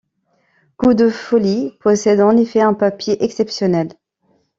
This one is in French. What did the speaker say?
Coup de Folie possède en effet un papier exceptionnel.